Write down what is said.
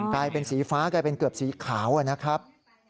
กลายเป็นสีฟ้ากลายเป็นเกือบสีขาวนะครับ